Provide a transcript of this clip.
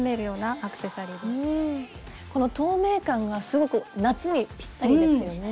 この透明感がすごく夏にぴったりですよね。